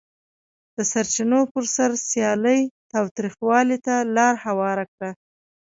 د سرچینو پر سر سیالي تاوتریخوالي ته لار هواره کړه.